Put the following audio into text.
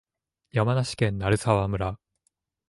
山梨県鳴沢村